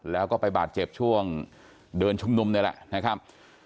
แล้วก็ไปบาดเจ็บช่วงเดินชุมนุมนี่แหละนะครับ